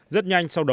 rất nhanh sau đó